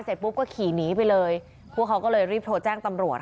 เสร็จปุ๊บก็ขี่หนีไปเลยพวกเขาก็เลยรีบโทรแจ้งตำรวจ